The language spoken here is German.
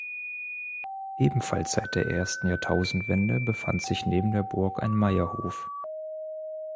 Ebenfalls seit der ersten Jahrtausendwende befand sich neben der Burg ein Meierhof.